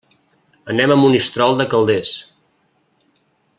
Anem a Monistrol de Calders.